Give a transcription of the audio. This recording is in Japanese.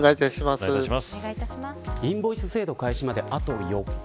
インボイス制度開始まであと４日。